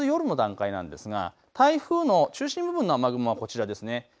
これはあすの夜の段階なんですが台風の中心部分の雨雲はこちらです。